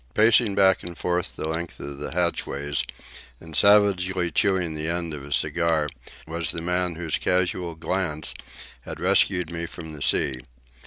Pacing back and forth the length of the hatchways and savagely chewing the end of a cigar, was the man whose casual glance had rescued me from the sea.